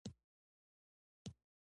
باران ته غوږ شه.